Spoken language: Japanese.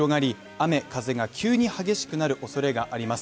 雨風が急に激しくなるおそれがあります。